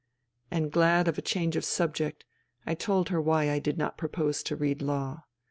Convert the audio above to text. And glad of a change of subject I told her why I did not propose to read law.